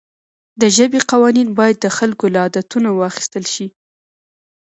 د ژبې قوانین باید د خلکو له عادتونو واخیستل شي.